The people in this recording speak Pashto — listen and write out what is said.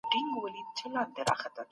ښه خواړه د ښه ژوند لامل کېږي.